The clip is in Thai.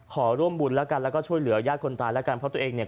ขอร่วมบุญแล้วก็ช่วยเหลือญาติคนตายเพราะตัวเองเนี่ย